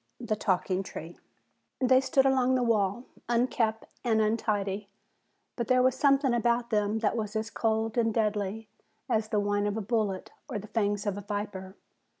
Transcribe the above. THE TALKING TREE They stood along the wall, unkempt and untidy, but there was something about them that was as cold and deadly as the whine of a bullet or the fangs of a viper.